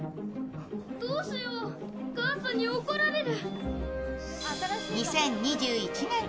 どうしよう、母さんに怒られる。